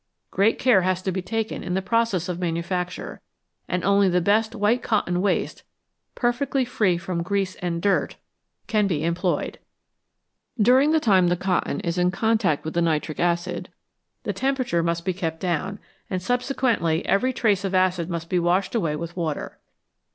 Great care has to be taken in the process of manufacture, and only the best white cotton waste, perfectly free from grease and dirt, can 174 wz*&Z $i^ 0^*5 s CMJ EXPLOSIONS AND EXPLOSIVES be employed. During the time the cotton is in contact with the nitric acid the temperature must be kept down, and subsequently every trace of acid must be washed away with water.